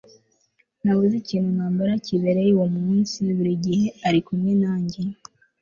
nabuze ikintu nambara kibereye uwo munsi. buri gihe ari kumwe nanjye